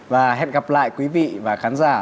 và hẹn gặp lại quý vị và khán giả